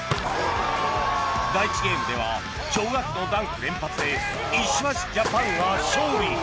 第１ゲームでは驚愕のダンク連発で石橋ジャパンが勝利